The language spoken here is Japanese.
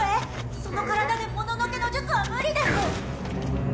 その体でもののけの術は無理です！